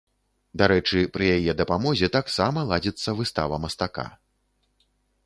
Дарэчы, пры яе дапамозе таксама ладзіцца выстава мастака.